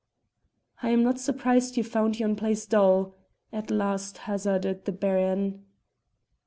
"I am not surprised you found yon place dull," at the last hazarded the Baron.